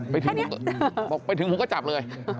ถ้าเนี่ยไม่ถึงผมก็จับเลย